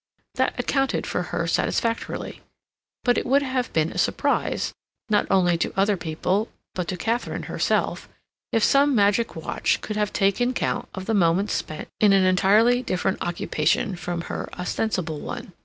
That accounted for her satisfactorily. But it would have been a surprise, not only to other people but to Katharine herself, if some magic watch could have taken count of the moments spent in an entirely different occupation from her ostensible one.